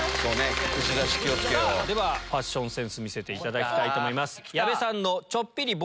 ではファッションセンス見せていただきたいと思います。